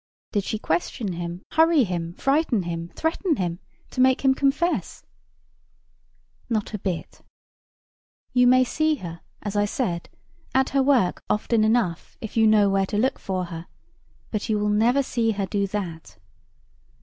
Did she question him, hurry him, frighten him, threaten him, to make him confess? Not a bit. You may see her, as I said, at her work often enough if you know where to look for her: but you will never see her do that.